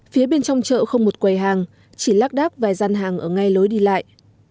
phía bên trong chợ không một quầy hàng chỉ lắc đắc vài gian hàng ở ngay lối đi lại